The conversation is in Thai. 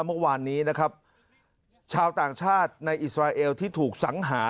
เมื่อวานนี้นะครับชาวต่างชาติในอิสราเอลที่ถูกสังหา